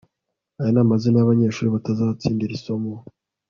aya ni amazina yabanyeshuri batazatsinda iri somo